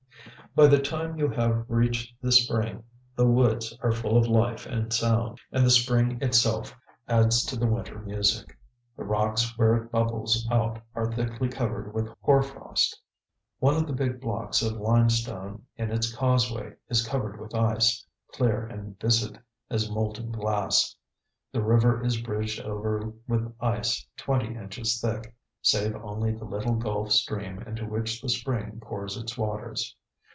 By the time you have reached the spring the woods are full of life and sound, and the spring itself adds to the winter music. The rocks where it bubbles out are thickly covered with hoar frost. One of the big blocks of limestone in its causeway is covered with ice, clear and viscid as molten glass. The river is bridged over with ice twenty inches thick, save only the little gulf stream into which the spring pours its waters.